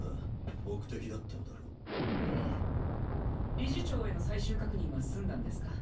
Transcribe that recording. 理事長への最終確認は済んだんですか？